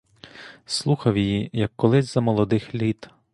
Слухав її, як колись за молодих літ.